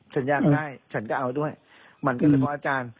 ฉันอยากได้ฉันก็เอาด้วยมันก็เลยเพราะอาจารย์